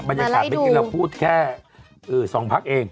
มันยังขาดนิดนึงเราพูดแค่คือ๒พักเอง